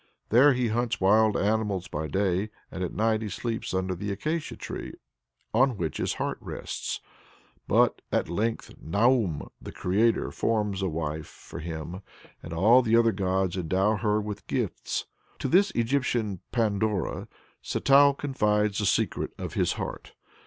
There he hunts wild animals by day, and at night he sleeps under the acacia tree on which his heart rests. But at length Noum, the Creator, forms a wife for him, and all the other gods endow her with gifts. To this Egyptian Pandora Satou confides the secret of his heart.